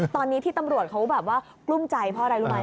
ตอนนี้ที่ตำรวจเขาแบบว่ากลุ้มใจเพราะอะไรรู้ไหม